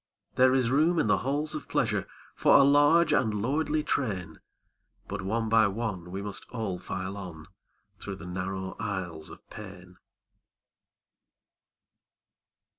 There is room in the halls of pleasure For a large and lordly train, But one by one we must all file on Through the narrow aisles of pain.